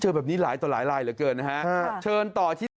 เจอแบบนี้หลายตัวหลายลายเหลือเกินนะฮะ